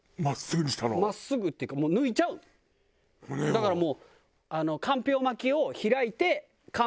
だからもう。